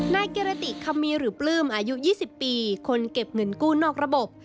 นายกิรติคำมีหรือปลื้มอายุ๒๐ปีคนเก็บเงินกู้นอกระบบ